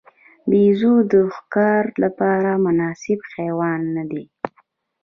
بیزو د ښکار لپاره مناسب حیوان نه دی.